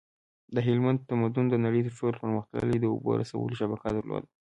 د هلمند تمدن د نړۍ تر ټولو پرمختللی د اوبو رسولو شبکه درلوده